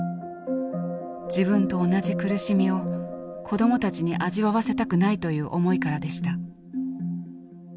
自分と同じ苦しみを子どもたちに味わわせたくないという思いからでした。